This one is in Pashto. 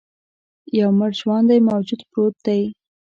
یو مړ ژواندی موجود پروت دی.